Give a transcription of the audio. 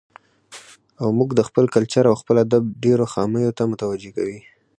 او موږ د خپل کلچر او خپل ادب ډېرو خاميو ته متوجه کوي.